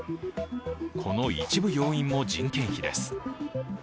この一部要因も人件費です。